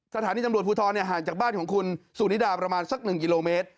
สถานีตำรวจภูทรห่างจากบ้านของคุณสุนิดาประมาณสัก๑กิโลเมตร